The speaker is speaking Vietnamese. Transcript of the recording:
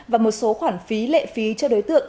và một số khoản phí lệ phí cho đối tượng